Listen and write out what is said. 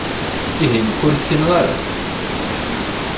Ihi nekki ur ssineɣ ara?